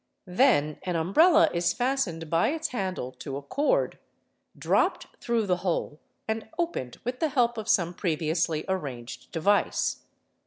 Then an umbrella is fastened by its handle to a cord, dropped through the hole, and opened with the help of some previously arranged device.